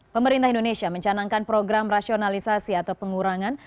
pemerintah indonesia mencanangkan program rasionalisasi atau pengurangan